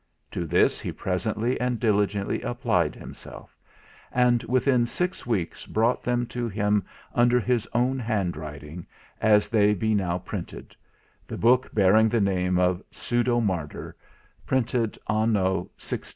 To this he presently and diligently applied himself, and within six weeks brought them to him under his own handwriting, as they be now printed; the book bearing the name of "Pseudo Martyr," printed anno 1610.